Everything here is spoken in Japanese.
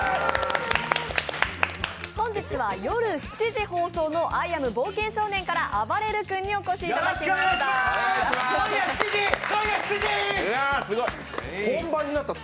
本日は夜７時放送の「アイ・アム・冒険少年」からあばれる君にお越しいただきました。